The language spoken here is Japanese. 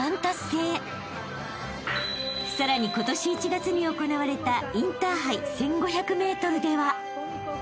［さらに今年１月に行われたインターハイ１５００ｍでは］